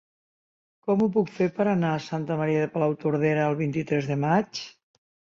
Com ho puc fer per anar a Santa Maria de Palautordera el vint-i-tres de maig?